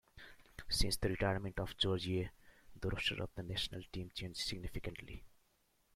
Since the retirement of George Weah, the roster of the national team changed significantly.